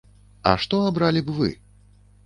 А што абралі б вы?